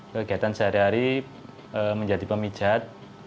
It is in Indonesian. kegiatan sehari hari menjadi pemijat